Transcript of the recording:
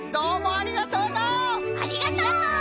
ありがとう！